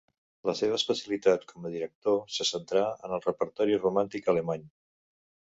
La seva especialitat com a director se centrà en el repertori romàntic alemany.